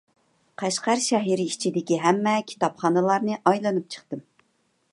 قەشقەر شەھىرى ئىچىدىكى ھەممە كىتابخانىلارنى ئايلىنىپ چىقتىم.